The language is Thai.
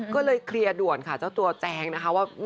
ก็เลยเคลียร์ด่วนค่ะเจ้าตัวแจงนะคะว่า